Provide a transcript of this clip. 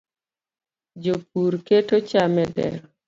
jopur keto cham e dero